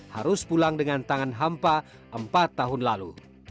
harus pulang dengan tangan hampa empat tahun lalu